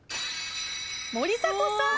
森迫さん